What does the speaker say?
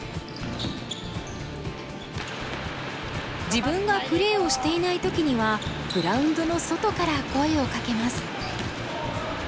自分がプレーをしていない時にはグラウンドの外から声をかけます。